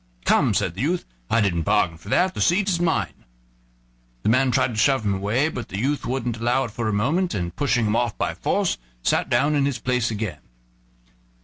"Come," said the youth, "I didn't bargain for that, the seat is mine." The man tried to shove him away, but the youth wouldn't allow it for a moment, and, pushing him off by force, sat down in his place again.